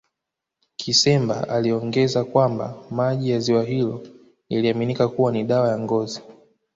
Kisemba aliongeza kwamba maji ya ziwa hilo yaliaminika kuwa ni dawa ya ngozi